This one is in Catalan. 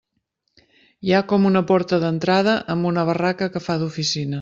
Hi ha com una porta d'entrada amb una barraca que fa d'oficina.